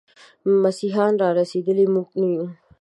مسيحا را رسېدلی، موږه نه يو